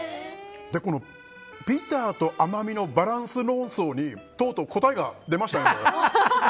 ビターと甘みのバランス論争にとうとう答えが出ましたね。